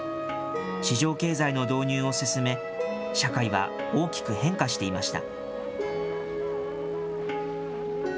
市場経済の導入を進め、社会は大きく変化していました。